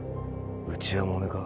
内輪もめか？